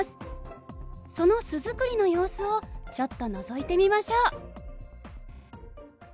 その巣作りの様子をちょっとのぞいてみましょう。